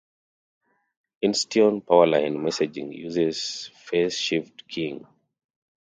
Insteon powerline messaging uses phase-shift keying.